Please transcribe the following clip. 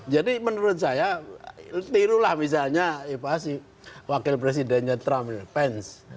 jadi menurut saya tirulah misalnya pak si wakil presidennya trump pence